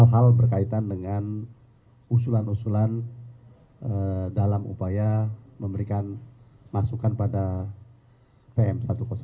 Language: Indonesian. hal berkaitan dengan usulan usulan dalam upaya memberikan masukan pada pm satu ratus dua